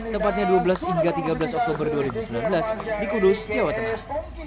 tepatnya dua belas hingga tiga belas oktober dua ribu sembilan belas di kudus jawa tengah